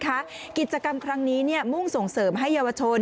พอพาไปดูก็จะพาไปดูที่เรื่องของเครื่องบินเฮลิคอปเตอร์ต่าง